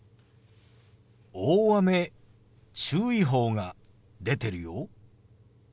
大雨注意報が出てるよ。